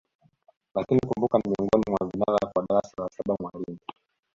Lakini kumbuka ni miongoni mwa vinara kwa darasa la saba mwalimu